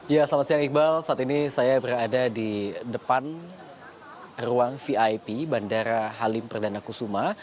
ya selamat siang iqbal saat ini saya berada di depan ruang vip bandara halim perdana kusuma